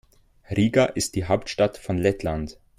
Riga ist die Hauptstadt von Lettland.